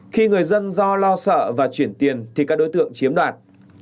khi người dân do lo sợ và chuyển tiền thì các đối tượng chiếm đoạt